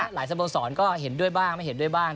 สโมสรก็เห็นด้วยบ้างไม่เห็นด้วยบ้าง